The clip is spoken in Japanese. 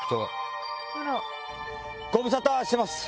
ご無沙汰してます。